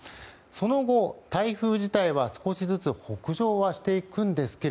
その後、台風自体は少しずつ北上していくんですが